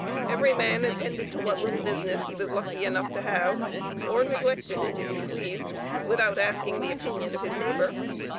Every man attended to what little business he was lucky enough to have, or neglected it if he pleased, without asking the opinion of his neighbor.